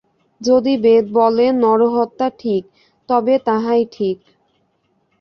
যদি বেদ বলেন, নরহত্যা ঠিক, তবে তাহাই ঠিক।